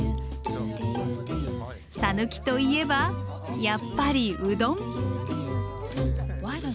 讃岐といえばやっぱりうどん！